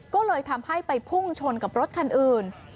ก็เลยทำให้ไปพุ่งชนกับรถคันอื่น